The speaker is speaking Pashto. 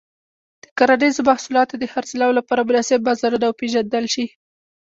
د کرنيزو محصولاتو د خرڅلاو لپاره مناسب بازارونه وپیژندل شي.